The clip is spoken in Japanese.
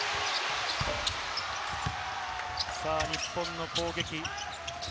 日本の攻撃。